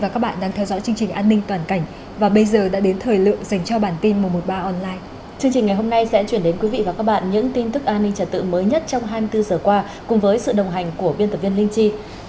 cảm ơn các bạn đã theo dõi